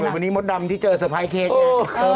เหมือนวันนี้มดดำที่เจอสไพร์เคสไง